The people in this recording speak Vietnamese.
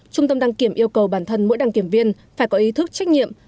trung tâm đăng kiểm yêu cầu bản thân mỗi đăng kiểm viên phải có ý thức trách nhiệm